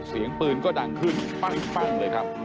เสียงปืนก็ดังขึ้นปั้งเลยครับ